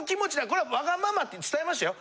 これはわがままって伝えましたよ。